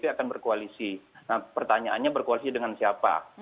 akan berkoalisi nah pertanyaannya berkoalisi dengan siapa